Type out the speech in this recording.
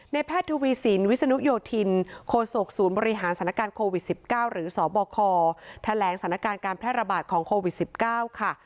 แพทย์ทวีสินวิศนุโยธินโคศกศูนย์บริหารสถานการณ์โควิด๑๙หรือสบคแถลงสถานการณ์การแพร่ระบาดของโควิด๑๙ค่ะ